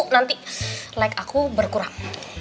nanti like aku berkurang